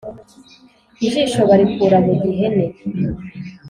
ijisho barikura mu gihene